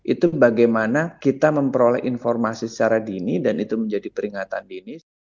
itu bagaimana kita memperoleh informasi secara dini dan itu menjadi peringatan dini